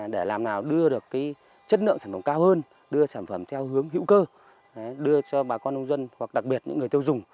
để làm nào đưa được chất lượng sản phẩm cao hơn đưa sản phẩm theo hướng hữu cơ đưa cho bà con nông dân hoặc đặc biệt những người tiêu dùng